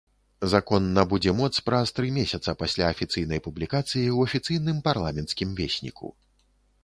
Закон набудзе моц праз тры месяца пасля афіцыйнай публікацыі ў афіцыйным парламенцкім весніку.